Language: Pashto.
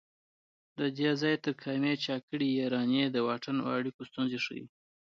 له دې ځای تر کامې چا کړي یارانې د واټن او اړیکو ستونزې ښيي